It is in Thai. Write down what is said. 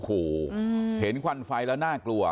โอ้โหเห็นควันไฟแล้วน่ากลัว